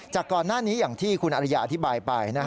ก่อนหน้านี้อย่างที่คุณอริยาอธิบายไป